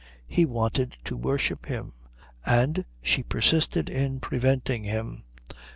He wanted to worship her, and she persisted in preventing him.